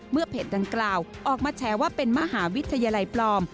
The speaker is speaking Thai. เพจดังกล่าวออกมาแชร์ว่าเป็นมหาวิทยาลัยปลอม